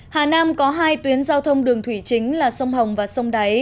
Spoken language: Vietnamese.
hà nam có hai tuyến giao thông đường thủy chính là sông hồng và sông đáy